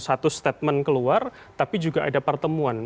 satu statement keluar tapi juga ada pertemuan